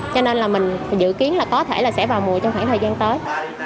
cho nên là mình dự kiến là có thể là sẽ vào mùa trong khoảng thời gian tới